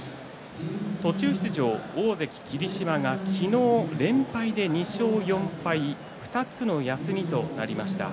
途中出場、大関霧島が昨日、連敗で２勝４敗２つの休みとなりました。